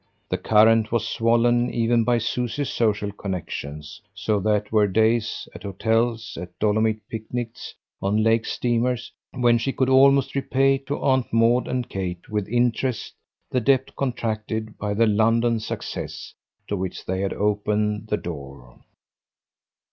The current was swollen even by Susie's social connexions; so that there were days, at hotels, at Dolomite picnics, on lake steamers, when she could almost repay to Aunt Maud and Kate with interest the debt contracted by the London "success" to which they had opened the door.